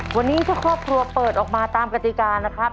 วันนี้ถ้าครอบครัวเปิดออกมาตามกติกานะครับ